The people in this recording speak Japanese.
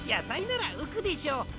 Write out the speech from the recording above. さいならうくでしょう。